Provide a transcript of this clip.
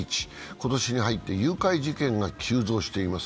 今年に入って誘拐事件が急増しています。